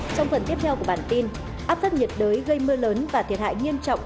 trong phần tiếp theo của bản tin áp thấp nhiệt đới gây mưa lớn và thiệt hại nghiêm trọng